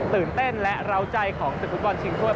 ตื่นเต้นและราวใจของสถุดบอลชิงทัวร์